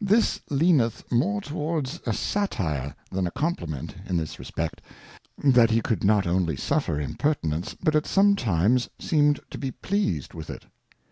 This leaneth more towards a Satire than a Compliment, in this respect, that he could not only suffer Impertinence, but at sometimes seemed to be pleased with it.